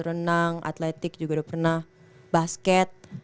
renang atletik juga udah pernah basket